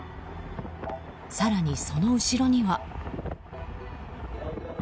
更にその後ろには。